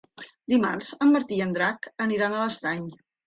Dimarts en Martí i en Drac aniran a l'Estany.